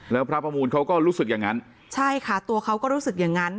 แล้วพระประมูลเขาก็รู้สึกอย่างนั้นใช่ค่ะตัวเขาก็รู้สึกอย่างนั้น